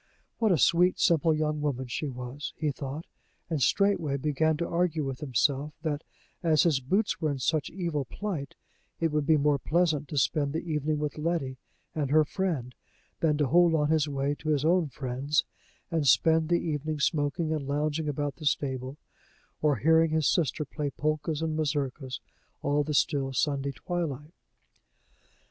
What a sweet, simple young woman she was! he thought; and straightway began to argue with himself that, as his boots were in such evil plight, it would be more pleasant to spend the evening with Letty and her friend, than to hold on his way to his own friend's, and spend the evening smoking and lounging about the stable, or hearing his sister play polkas and mazurkas all the still Sunday twilight.